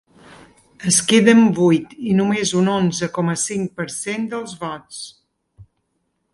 Es queda amb vuit i només un onze coma cinc per cent dels vots.